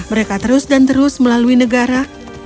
mereka terus dan terus melalui negara